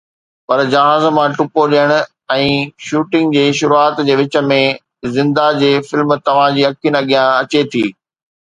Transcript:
پر جهاز مان ٽپو ڏيڻ ۽ شوٽنگ جي شروعات جي وچ ۾، زندهه جي فلم توهان جي اکين اڳيان اچي ٿي